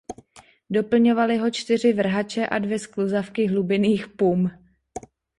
Doplňovaly ho čtyři vrhače a dvě skluzavky hlubinných pum.